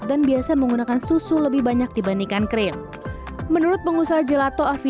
dan biasa menggunakan susu lebih banyak dibandingkan krim menurut pengusaha gelato afidya rahman of vianto